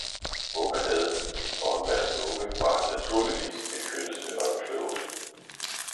Unger havde de, og enhvers unge var, naturligvis, den kønneste og den klogeste.